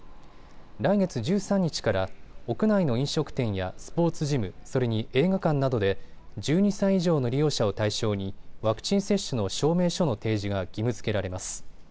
来月１３日から屋内の飲食店やスポーツジムそれに映画館などで１２歳以上の利用者を対象にワクチン接種の証明書の提示が義務づけられます。